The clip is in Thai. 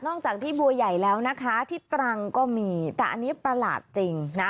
จากที่บัวใหญ่แล้วนะคะที่ตรังก็มีแต่อันนี้ประหลาดจริงนะ